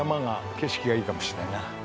景色がいいかもしれないな。